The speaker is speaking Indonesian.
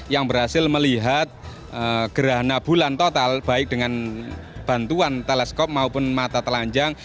yang berhasil melihat gerhana bulan total baik dengan bantuan teleskop maupun mata telanjang